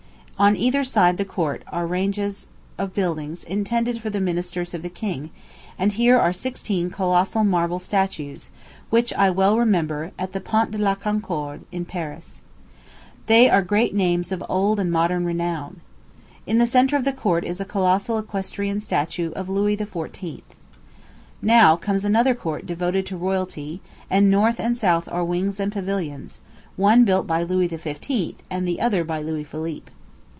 On either side the court are ranges of buildings intended for the ministers of the king; and here are sixteen colossal marble statues, which I well remember, at the Pont de la Concorde, in Paris. They are great names of old and modern renown. In the centre of the court is a colossal equestrian statue of Louis XIV. Now comes another court devoted to royalty; and north and south are wings and pavilions, one built by Louis XV., and the other by Louis Philippe.